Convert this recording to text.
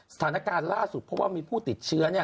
สถานการณ์ล่าสุดเพราะว่ามีผู้ติดเชื้อ